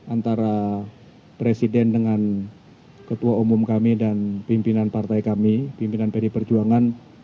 antara presiden dengan ketua umum kami dan pimpinan partai kami pimpinan pdi perjuangan